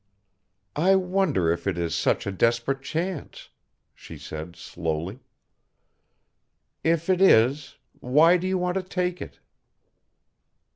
"I wonder if it is such a desperate chance?" she said slowly. "If it is, why do you want to take it?"